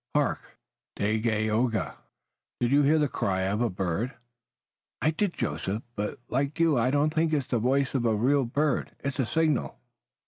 "Hark, Dagaeoga, did you hear the cry of a night bird?" "I did, Joseph, but like you I don't think it's the voice of a real bird. It's a signal."